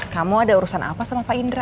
kamu ada urusan apa sama pak indra